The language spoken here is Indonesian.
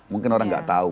mungkin orang gak tahu